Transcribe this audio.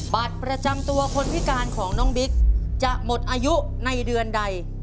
บัตรประจำตัวคนพิการของน้องบิ๊กจะหมดอายุในเดือนใด